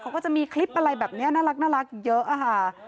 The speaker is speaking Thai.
เขาก็จะมีคลิปอะไรแบบนี้น่ารักเยอะค่ะ